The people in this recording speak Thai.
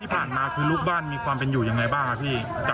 ที่ผ่านมาคือลูกบ้านมีความเป็นอยู่ยังไงบ้างครับพี่